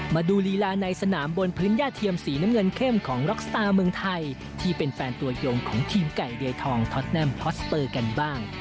มาดูลีลาในสนามบนพื้นย่าเทียมสีน้ำเงินเข้มของร็อกสตาร์เมืองไทยที่เป็นแฟนตัวยงของทีมไก่เดยทองท็อตแนมฮอสเปอร์กันบ้าง